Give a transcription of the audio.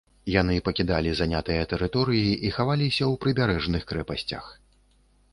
Яны пакідалі занятыя тэрыторыі і хаваліся ў прыбярэжных крэпасцях.